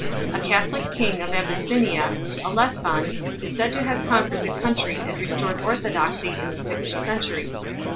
A Catholic king of Abyssinia, Elesbaan 4 , is believed to have conquered the country and restored orthodoxy in the sixth century.